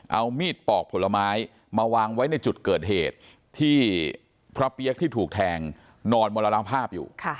เอามีดปอกผลไม้มาวางไว้ในจุดเกิดเหตุที่พระเปี๊ยกที่ถูกแทงนอนมรณภาพอยู่